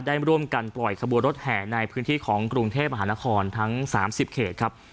ได้ร่วมกันปล่อยขบวนรถแห่ในพื้นที่ของกรุงเทพมหานครทั้ง๓๐เขตครับ